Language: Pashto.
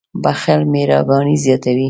• بښل مهرباني زیاتوي.